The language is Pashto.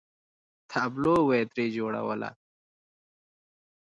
تابلو به یې ترې جوړوله.